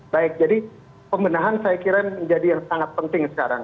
baik jadi pembenahan saya kira menjadi yang sangat penting sekarang